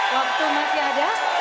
waktu masih ada